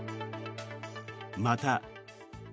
また。